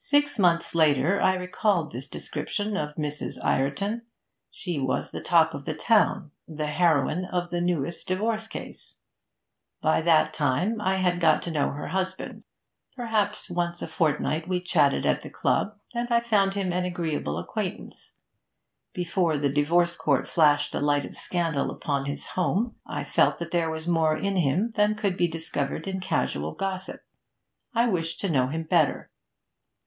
Six months later I recalled this description of Mrs. Ireton. She was the talk of the town, the heroine of the newest divorce case. By that time I had got to know her husband; perhaps once a fortnight we chatted at the club, and I found him an agreeable acquaintance. Before the Divorce Court flashed a light of scandal upon his home, I felt that there was more in him than could be discovered in casual gossip; I wished to know him better.